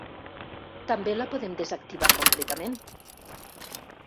També la podem desactivar completament.